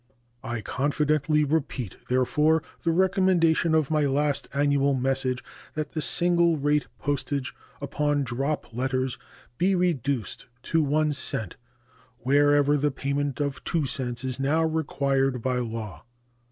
I confidently repeat, therefore, the recommendation of my last annual message that the single rate postage upon drop letters be reduced to 1 cent wherever the payment of 2 cents is now required by law.